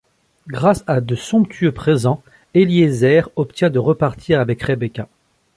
Grâce à de somptueux présent, Eliézer obtient de repartir avec Rebecca.